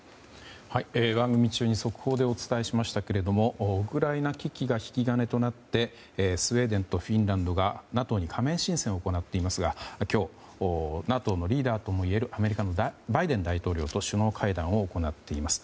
番組中に速報でお伝えしましたがウクライナ危機が引き金となってスウェーデンとフィンランドがＮＡＴＯに加盟申請を行っていますが今日ＮＡＴＯのリーダーともいえるアメリカのバイデン大統領と首脳会談を行っています。